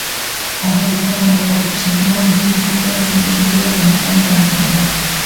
Algo habitual cando toca examinar uns viños situados entre os mellores do mercado internacional.